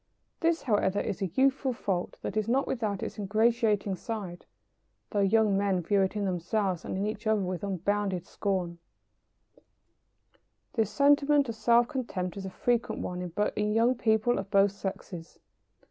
This, however, is a youthful fault that is not without its ingratiating side, though young men view it in themselves and in each other with unbounded scorn. [Sidenote: On self contempt.] This sentiment of self contempt is a frequent one in young people of both sexes.